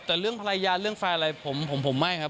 แต่เรื่องภรรยาเรื่องแฟนอะไรผมไม่ครับ